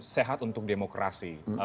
sehat untuk demokrasi